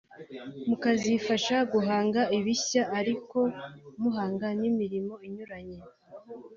mukazifasha guhanga ibishya ari ko muhanga n’imirimo inyuranye